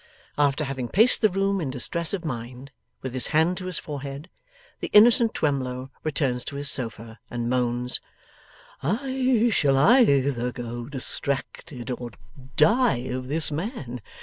After having paced the room in distress of mind, with his hand to his forehead, the innocent Twemlow returns to his sofa and moans: 'I shall either go distracted, or die, of this man.